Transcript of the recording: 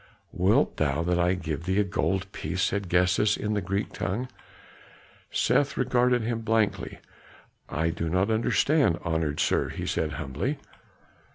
"Wilt thou that I give thee a gold piece?" said Gestas in the Greek tongue. Seth regarded him blankly. "I do not understand, honored sir," he said humbly.